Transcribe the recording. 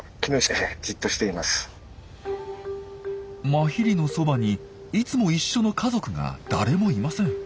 マヒリのそばにいつも一緒の家族が誰もいません。